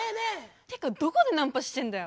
ってかどこでナンパしてんだよ。